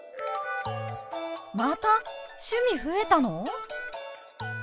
また趣味増えたの！？